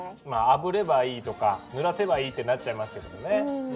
まああぶればいいとかぬらせばいいってなっちゃいますけどね。